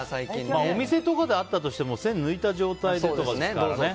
お店とかであったとしても栓抜いた状態でとかですからね。